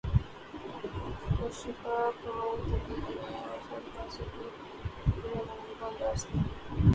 ہوشربا کڑوی تبدیلیاں عیاں اور سازباز کی جڑیں ملغوبہ انداز کی ہیں